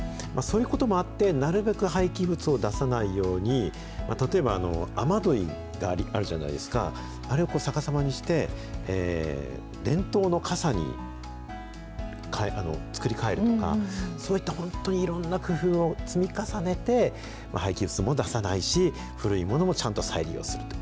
そういうこともあって、なるべく廃棄物を出さないように、例えば、雨どいがあるじゃないですか、あれを逆さまにして電灯のかさに作りかえるとか、そういった本当にいろんな工夫を積み重ねて、廃棄物も出さないし、古いものもちゃんと再利用する。